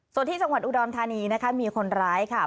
ส่วนที่ส่วนอุดรทานีมีคนร้ายกลอะ